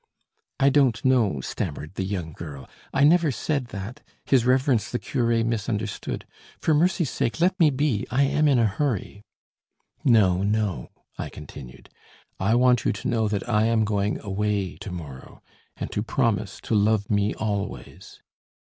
"I don't know," stammered the young girl, "I never said that his reverence the curé misunderstood For mercy's sake, let me be, I am in a hurry." "No, no," I continued, "I want you to know that I am going away to morrow, and to promise to love me always."